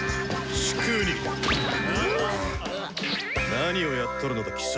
何をやっとるのだ貴様